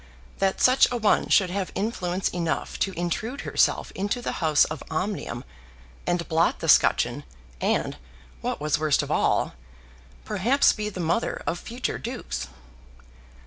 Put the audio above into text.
That such a one should have influence enough to intrude herself into the house of Omnium, and blot the scutcheon, and, what was worst of all, perhaps be the mother of future dukes!